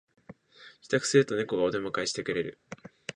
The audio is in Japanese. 帰宅するとネコがお出迎えしてくれる